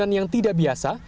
bangunan yang tidak biasa